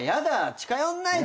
近寄んないで！